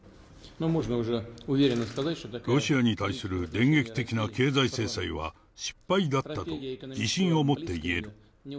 ロシアに対する電撃的な経済制裁は、失敗だったと自信をもって言える。